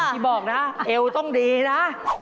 ที่บอกนะเอวต้องดีนะ